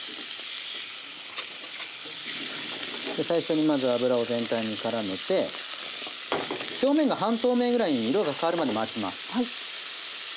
最初にまず油を全体に絡めて表面が半透明ぐらいに色が変わるまで待ちます。